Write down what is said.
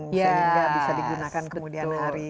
semoga bisa digunakan kemudian hari